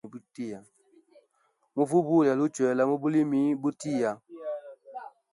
Mvubu yalʼuchwela mubulimi butia.